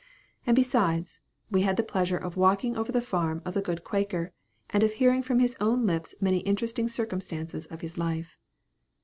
And besides, we had the pleasure of walking over the farm of the good Quaker, and of hearing from his own lips many interesting circumstances of his life.